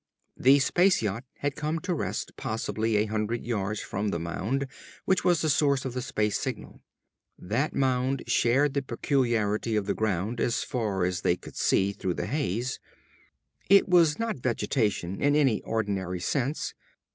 The space yacht had come to rest possibly a hundred yards from the mound which was the source of the space signal. That mound shared the peculiarity of the ground as far as they could see through the haze. It was not vegetation in any ordinary sense.